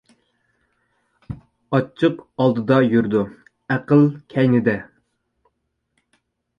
ئاچچىق ئالدىدا يۈرىدۇ، ئەقىل كەينىدە.